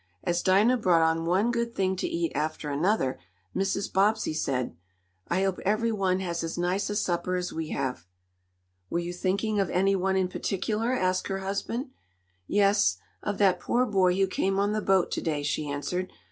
As Dinah brought on one good thing to eat after another, Mrs. Bobbsey said: "I hope every one has as nice a supper as we have." "Were you thinking of any one in particular?" asked her husband. "Yes, of that poor boy who came on the boat to day," she answered.